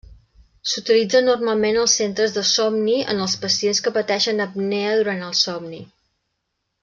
S'utilitzen normalment als centres de somni en els pacients que pateixen apnea durant el somni.